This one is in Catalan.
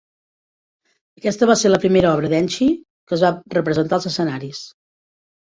Aquesta va ser la primera obra d'Enchi que es va representar als escenaris.